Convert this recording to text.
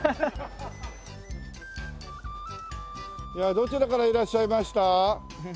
どちらからいらっしゃいました？